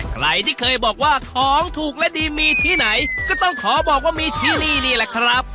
ใครที่เคยบอกว่าของถูกและดีมีที่ไหนก็ต้องขอบอกว่ามีที่นี่นี่แหละครับ